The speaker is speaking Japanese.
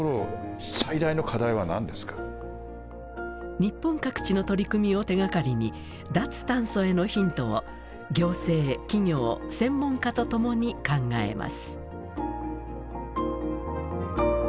日本各地の取り組みを手がかりに脱炭素へのヒントを行政企業専門家と共に考えます。